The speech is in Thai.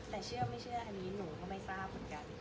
แต่เชื่อไม่เชื่ออันนี้หนูก็ไม่ทราบเหมือนกัน